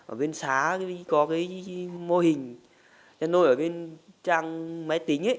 ở bên xá có cái mô hình để nuôi ở bên trang máy tính ấy